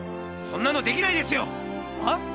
そんなのできないですよ！はあ？